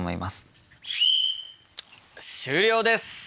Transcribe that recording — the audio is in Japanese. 終了です！